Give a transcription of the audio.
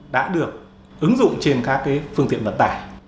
đã được ứng dụng trên các phương tiện vận tải